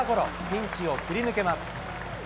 ピンチを切り抜けます。